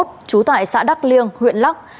trú tại xã đắc liêng huyện lắc